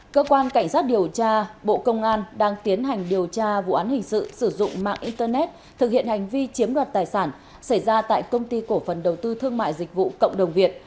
cơ quan cảnh sát điều tra bộ công an đang tiến hành điều tra vụ án hình sự sử dụng mạng internet thực hiện hành vi chiếm đoạt tài sản xảy ra tại công ty cổ phần đầu tư thương mại dịch vụ cộng đồng việt